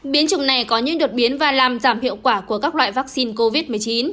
biến chủng này có những đột biến và làm giảm hiệu quả của các loại vaccine covid một mươi chín